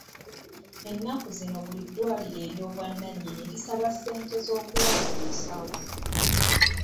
Ennaku zino buli ddwaliro ery'obwannannyini lisaba ssente z'okulaba omusawo.